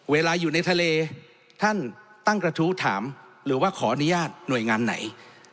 เวลาอยู่ในทะเลท่านตั้งกระทู้ถามหรือว่าขออนุญาตหน่วยงานไหน